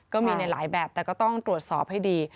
ก็มีในหลายแบบแต่ก็ต้องตรวจสอบให้ดี